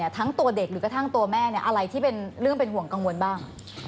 ทั้งตัวเด็กหรือกระทั่งตัวแม่อะไรที่เป็นเรื่องเป็นห่วงกังวลบ้าง